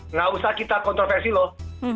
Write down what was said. nggak usah kita kontroversi loh